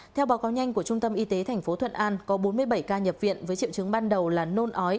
theo báo cáo nhanh của trung tâm y tế tp thuận an có bốn mươi bảy ca nhập viện với triệu chứng ban đầu là nôn ói